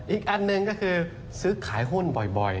อีกอันหนึ่งก็คือซื้อขายหุ้นบ่อย